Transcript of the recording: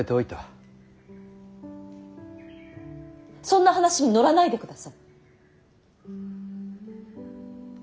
そんな話に乗らないでください！